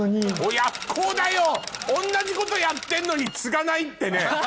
親不孝だよ同じことやってんのに継がないってね。